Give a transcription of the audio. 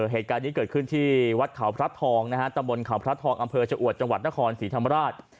เหตุการณ์นี้เกิดขึ้นที่วัดเขาพระทองนะฮะตำบลเขาพระทองอำเภอชะอวดจังหวัดนครศรีธรรมราช